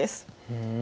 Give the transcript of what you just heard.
ふん。